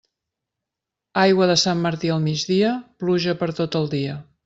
Aigua de Sant Martí al migdia, pluja per tot el dia.